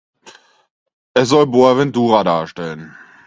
Es soll Boaventura darstellen.